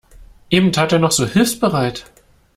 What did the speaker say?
Eben noch tat er so hilfsbereit.